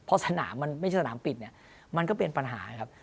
พอสนามมันไม่ใช่สนามปิดเนี่ยมันก็เป็นปัญหาครับ